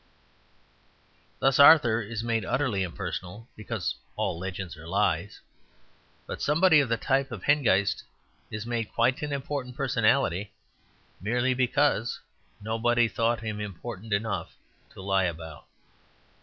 Thus, Arthur is made utterly impersonal because all legends are lies, but somebody of the type of Hengist is made quite an important personality, merely because nobody thought him important enough to lie about.